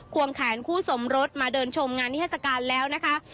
วงแขนคู่สมรสมาเดินชมงานนิทัศกาลแล้วนะคะ